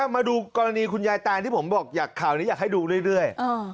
มาดูกรณีคุณยายแตนที่ผมบอกข่าวนี้อยากให้ดูเรื่อย